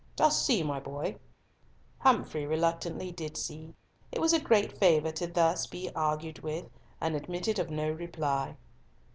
Dost see, my boy?" Humfrey reluctantly did see. It was a great favour to be thus argued with, and admitted of no reply.